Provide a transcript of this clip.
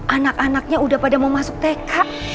anak anaknya udah pada mau masuk tk